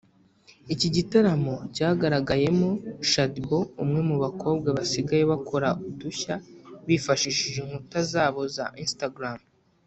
Iki gitaramo cyagaragayemo Shadyboo umwe mu bakobwa basigaye bakora udushya bifashishije inkuta zabo za Instagram